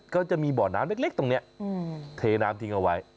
ก็จะมีบ่อน้ำเล็กตรงนี้เทน้ำทิ้งเอาไว้